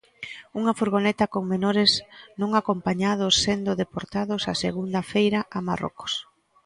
Unha furgoneta con menores non acompañados sendo deportados a segunda feira a Marrocos.